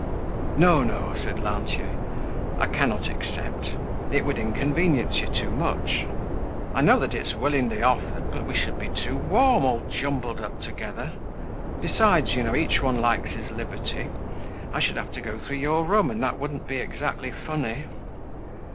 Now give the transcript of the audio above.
"No, no," said Lantier, "I cannot accept. It would inconvenience you too much. I know that it's willingly offered, but we should be too warm all jumbled up together. Besides, you know, each one likes his liberty. I should have to go through your room, and that wouldn't be exactly funny."